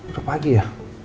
udah pagi ya